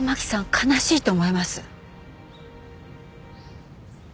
悲しいと思います。